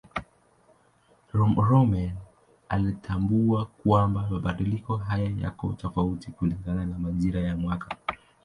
Rømer alitambua kwamba mabadiliko haya yako tofauti kulingana na majira ya mwaka.